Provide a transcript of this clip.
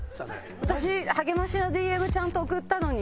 私励ましのＤＭちゃんと送ったのに。